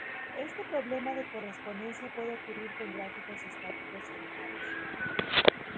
Este problema de correspondencia puede ocurrir con gráficos estáticos y animados.